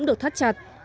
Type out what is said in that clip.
được thắt chặt